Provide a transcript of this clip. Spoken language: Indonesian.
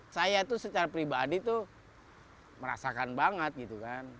saya itu secara pribadi itu merasakan banget gitu kan